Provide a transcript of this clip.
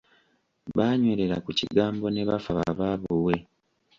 Baanywerera ku kigambo ne bafa ba baabuwe.